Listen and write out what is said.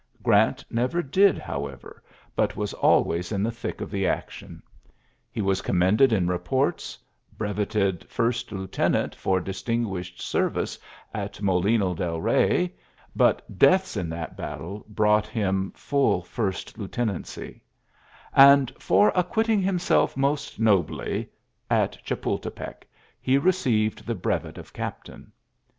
Grant never did, however, ULYSSES a GBAOT? 23 but was always in the thick of the action. He was commended in reports^ brevetted first lieutenant for distin gnished service at Molino del Eey (but deaths in that battle brought him full first lieutenancy); and for ^^ acquitting himself most nobly" at Ghapultepec he received the brevet of captain.